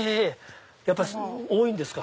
やっぱり多いんですか？